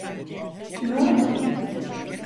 Tümör mü?